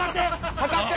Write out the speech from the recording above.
測って！